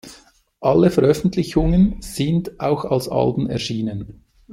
Alle Veröffentlichungen sind auch als Alben erschienen.